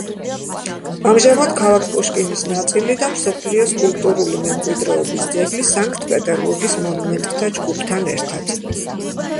ამჟამად ქალაქ პუშკინის ნაწილი და მსოფლიოს კულტურული მემკვიდრეობის ძეგლი სანქტ-პეტერბურგის მონუმენტთა ჯგუფთან ერთად.